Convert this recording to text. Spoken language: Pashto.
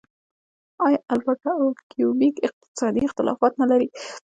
آیا البرټا او کیوبیک اقتصادي اختلافات نلري؟